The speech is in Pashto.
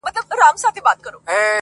• چرګ چي ځوان سي پر بام ورو ورو ځي -